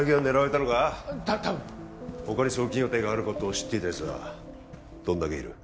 たたぶん他に送金予定があることを知っていたやつはどんだけいる？